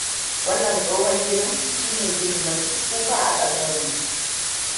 Wannan tsohon ginin shi ne gini mafi tsufa a ƙasar mu.